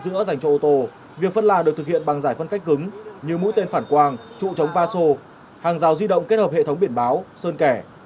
trong ngày đầu tiên triển khai thô việc phân làm được thực hiện bằng giải phân cách cứng như mũi tên phản quang trụ chống va sô hàng rào di động kết hợp hệ thống biển báo sơn kẻ